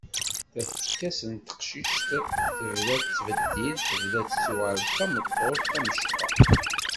Tafekka-s n teqcict tebda tettbeddil, tebda tettuɣal d tameṭṭut tamecṭuḥt.